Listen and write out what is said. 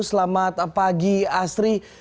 selamat pagi asri